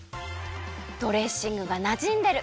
ドレッシングがなじんでる。